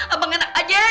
abang enak aja nih